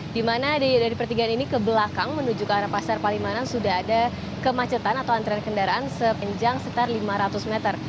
di mana dari pertigaan ini ke belakang menuju ke arah pasar palimanan sudah ada kemacetan atau antrian kendaraan sepanjang sekitar lima ratus meter